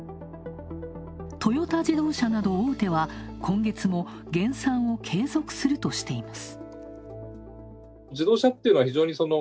トヨタ自動車など大手は今月も減産を継続するとしています。